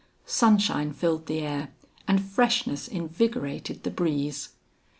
Sunshine filled the air and freshness invigorated the breeze.